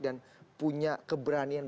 dan punya keberanian